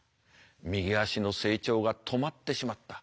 右足の成長が止まってしまった。